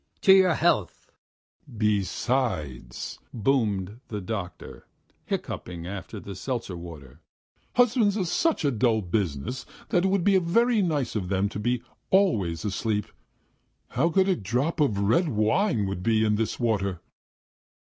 ... To your health!" "Besides," boomed the doctor, hiccupping after the seltzer water, "husbands are such a dull business that it would be very nice of them to be always asleep. How good a drop of red wine would be in this water!"